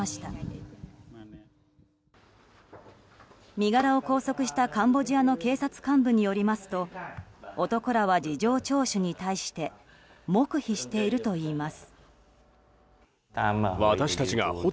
身柄を拘束したカンボジアの警察幹部によりますと男らは、事情聴取に対して黙秘しているといいます。